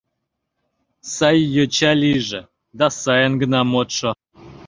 Сай йоча лийже да сайын гына модшо.